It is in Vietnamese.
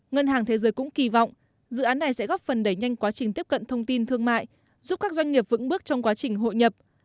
ngân hàng thế giới cũng kỳ vọng dự án này sẽ góp phần đẩy nhanh quá trình tiếp cận thông tin thương mại giúp các doanh nghiệp vững bước trong quá trình hội nhập